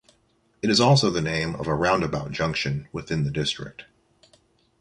It is also the name of a roundabout junction within the district.